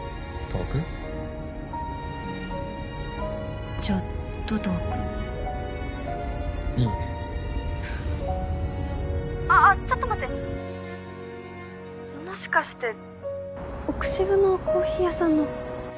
うんちょっと遠くいいね☎ああっちょっと待って☎もしかして奥渋のコーヒー屋さんの？